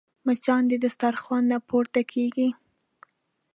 مچان د دسترخوان نه پورته کېږي